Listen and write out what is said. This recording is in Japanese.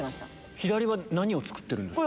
左は何を作ってるんですか？